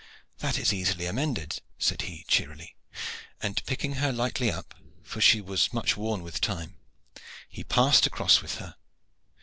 "That is easily amended," said he cheerily, and picking her lightly up, for she was much worn with time, he passed across with her.